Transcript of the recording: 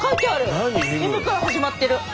Ｍから始まってる！